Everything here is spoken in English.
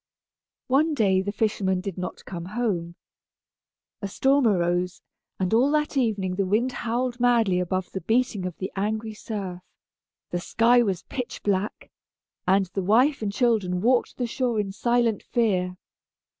One day the fisherman did not come home. A storm arose, and all that evening the wind howled madly above the beating of the angry surf. The sky was pitch black, and the wife and children walked the shore in silent fear.